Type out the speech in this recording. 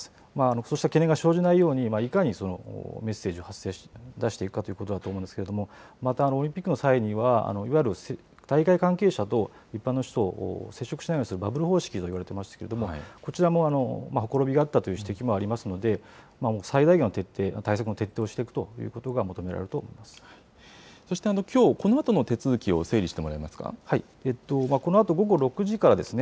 そうした懸念が生じないように、いかにメッセージを出していくかということだと思うんですけれども、また、オリンピックの際には、いわゆる大会関係者と一般の人を接触しないようにする、バブル方式といわれてますけれども、こちらもほころびがあったという指摘もありますので、最大限の徹底、対策の徹底をしていくということそしてきょう、このあとの手このあと午後６時からですね、